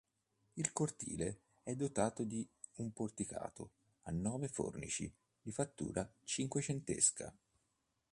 Il cortile è dotato di un porticato a nove fornici di fattura cinquecentesa.